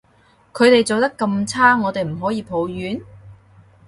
佢哋做得咁差，我哋唔可以抱怨？